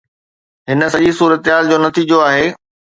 هن سڄي صورتحال جو نتيجو آهي.